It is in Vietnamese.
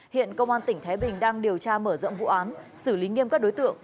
hiện công an tỉnh thái bình đang điều tra mở rộng vụ án xử lý nghiêm các đối tượng